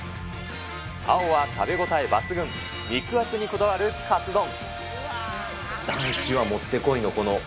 青は食べ応え抜群、肉厚にこだわるカツ丼。